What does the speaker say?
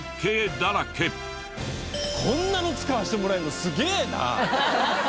こんなの使わせてもらえるのすげえな！